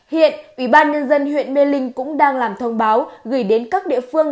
hiện ủy ban nhân dân huyện mê linh cũng đang làm thông báo gửi đến các địa phương